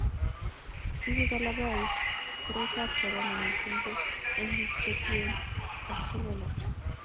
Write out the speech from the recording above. Ibu kalabait koroitab korona missing ko eng bik che tuen ak chelelach